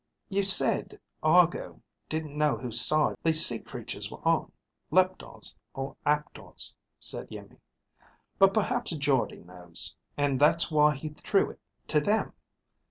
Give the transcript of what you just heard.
"You said Argo didn't know whose side these sea creatures were on, Leptar's or Aptor's," said Iimmi. "But perhaps Jordde knows, and that's why he threw it to them."